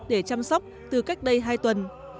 để chăm sóc từ cách đây hai tuần